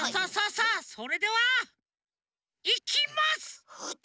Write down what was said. さあそれではいきます！